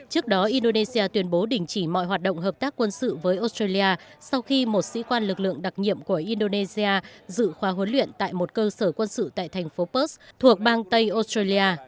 trước đó indonesia tuyên bố đình chỉ mọi hoạt động hợp tác quân sự với australia sau khi một sĩ quan lực lượng đặc nhiệm của indonesia dự khóa huấn luyện tại một cơ sở quân sự tại thành phố perth thuộc bang tây australia